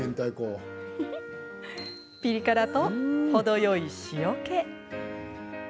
ピリ辛と、程よい塩け。